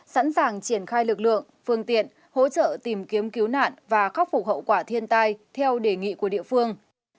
sẵn sàng triển khai lực lượng phương tiện hỗ trợ tìm kiếm cứu nạn và khắc phục hậu quả thiên tai theo đề nghị của địa phương